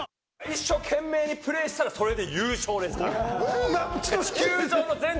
一生懸命プレーしたら、それで優勝ですから。